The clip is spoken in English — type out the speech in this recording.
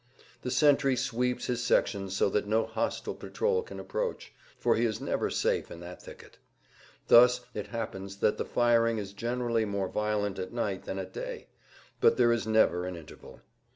The sentry sweeps his section so that no hostile patrol can approach, for he is never safe in that thicket. Thus it happens that the firing is generally more violent at night than at day; but there is never an interval.